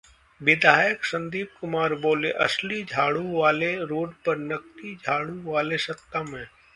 विधायक संदीप कुमार बोले-असली झाड़ू वाले रोड पर, नकली झाड़ू वाले सत्ता में